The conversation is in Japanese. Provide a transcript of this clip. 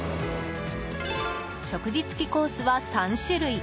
食事付きコースは３種類。